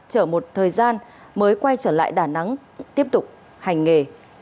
chở một thời gian mới quay trở lại đà nẵng tiếp tục hành nghề